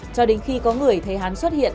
cho đến khi có người thấy hắn xuất hiện